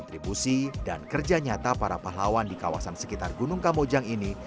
kontribusi dan kerja nyata para pahlawan di kawasan sekitar gunung kamojang ini